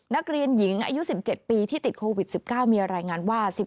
นักเรียนหญิงอายุ๑๗ปีที่ติดโควิด๑๙มีรายงานว่า